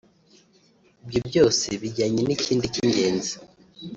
Ibyo byose bijyanye n’ikindi k’ingenzi